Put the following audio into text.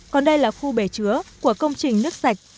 còn đây là khu bể chứa của công trình nước sạch